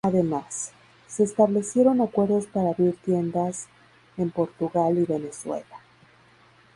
Además, se establecieron acuerdos para abrir tiendas en Portugal y Venezuela.